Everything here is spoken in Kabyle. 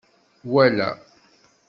Wala!